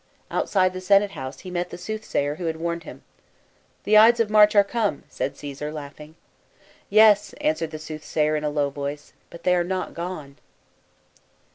Outside the senate house, he met the soothsayer, who had warned him. " The Ides of March are come/' said Caesar, laughing. " Yes," answered the soothsayer in a low voice, " but they are not gone."